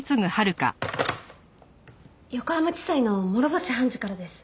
横浜地裁の諸星判事からです。